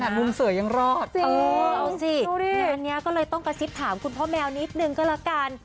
แต่มุมเสือยังรอดเออเอาสิงานนี้ก็เลยต้องกระซิบถามคุณพ่อแมวนิดนึงก็ละกัน